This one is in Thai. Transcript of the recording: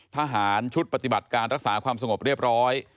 ทหารชุดปฏิบัติการรักษาความสงบเรียบร้อย